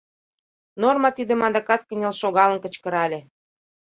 Норма тидым адакат кынел шогалын кычкырале.